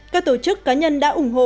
các tổ chức cá nhân đã ủng hộ